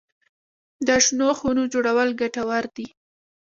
د شنو خونو جوړول ګټور دي؟